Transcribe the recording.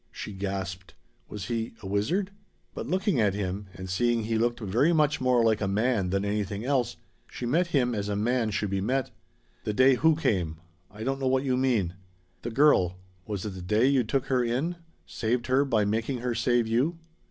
She gasped. Was he a wizard? But looking at him and seeing he looked very much more like a man than like anything else, she met him as man should be met. "The day who came? I don't know what you mean." "The girl. Was it the day you took her in? Saved her by making her save you?"